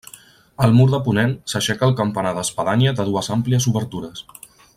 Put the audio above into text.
Al mur de ponent s'aixeca el campanar d'espadanya de dues àmplies obertures.